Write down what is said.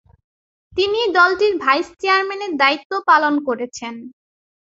তিনি দলটির ভাইস-চেয়ারম্যানের দায়িত্ব পালন করেছেন।